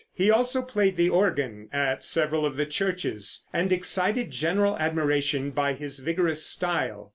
He also played the organ at several of the churches, and excited general admiration by his vigorous style.